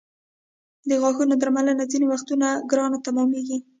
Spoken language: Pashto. د غاښونو درملنه ځینې وختونه ګرانه تمامېږي.